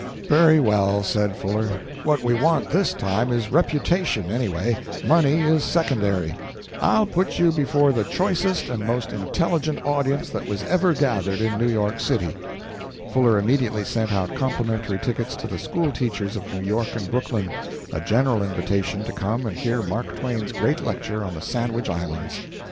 "Very well," said Fuller. "What we want this time is reputation, anyway money is secondary. I'll put you before the choicest and most intelligent audience that was ever gathered in New York City." Fuller immediately sent out complimentary tickets to the school teachers of New York and Brooklyn a general invitation to come and hear Mark Twain's great lecture on the Sandwich Islands.